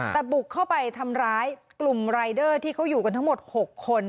แต่บุกเข้าไปทำร้ายกลุ่มรายเดอร์ที่เขาอยู่กันทั้งหมด๖คน